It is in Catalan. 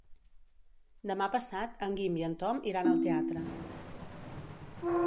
Demà passat en Guim i en Tom iran al teatre.